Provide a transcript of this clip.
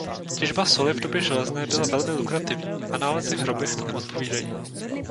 Těžba soli v době železné byla velmi lukrativní a nálezy v hrobech tomu odpovídají.